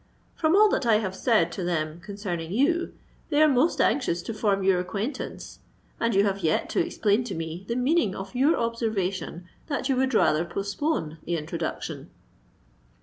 From all that I have said to them concerning you, they are most anxious to form your acquaintance; and you have yet to explain to me the meaning of your observation that you would rather postpone the introduction."